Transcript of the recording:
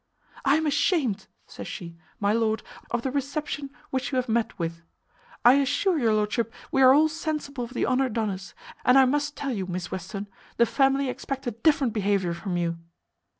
"I am ashamed," says she, "my lord, of the reception which you have met with. I assure your lordship we are all sensible of the honour done us; and I must tell you, Miss Western, the family expect a different behaviour from you."